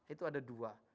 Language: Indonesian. itu ada dua